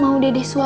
mau dedek suapin